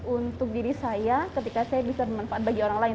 untuk diri saya ketika saya bisa bermanfaat bagi orang lain